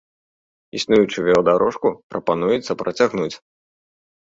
Існуючую веладарожку прапануецца працягнуць.